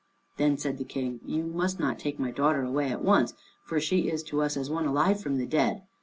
Then said the King, "You must not take my daughter away at once, for she is to us as one alive from the dead.